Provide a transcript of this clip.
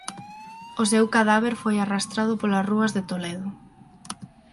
O seu cadáver foi arrastrado polas rúas de Toledo.